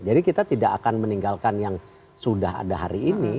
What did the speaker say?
jadi kita tidak akan meninggalkan yang sudah ada hari ini